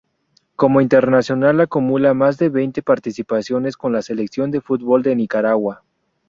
Como internacional acumula más de veinte participaciones con la Selección de fútbol de Nicaragua.